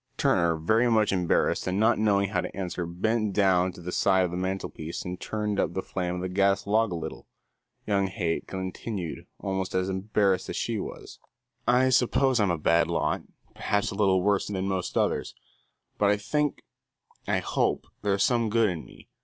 Turner, very much embarrassed, and not knowing how to answer, bent down to the side of the mantelpiece and turned up the flame of the gas log a little. Young Haight continued, almost as embarrassed as she: "I suppose I'm a bad lot, perhaps a little worse than most others, but I think I hope there's some good in me.